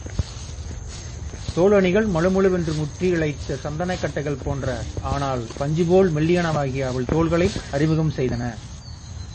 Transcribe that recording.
தோளணிகள் மழுமழுவென்று முற்றி இழைத்த சந்தனக் கட்டைகள்போன்ற, ஆனால் பஞ்சுபோல் மெல்லியனவாகிய அவள் தோள்களை அறிமுகம் செய்தன.